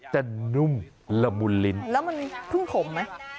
นุ่มละมุนลิ้นแล้วมันเพิ่งขมไหม